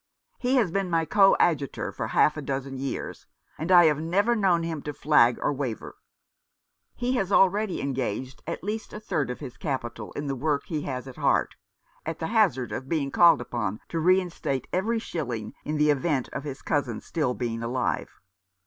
He has been my coadjutor for half a dozen years, and I have never known him flag or waver. He has already engaged at least a third of his capital in the work he has at heart, at the hazard oi 367 Rough Justice. being called upon to re instate every shilling in the event of his cousin being still alive."